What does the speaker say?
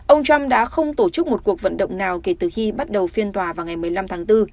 ông trump đã không tổ chức một cuộc vận động nào kể từ khi bắt đầu phiên tòa vào ngày một mươi năm tháng bốn